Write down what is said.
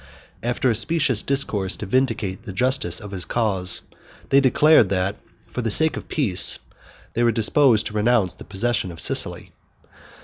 After a specious discourse to vindicate the justice of his cause, they declared, that, for the sake of peace, they were disposed to renounce the possession of Sicily.